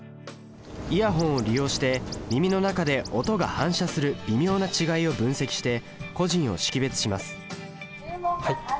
イヤホンを利用して耳の中で音が反射する微妙な違いを分析して個人を識別します注文が完了しました。